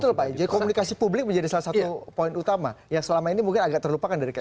betul pak ij komunikasi publik menjadi salah satu poin utama yang selama ini mungkin agak terlupakan dari ks